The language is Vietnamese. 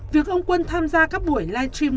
việc ông quân tham gia các buổi live stream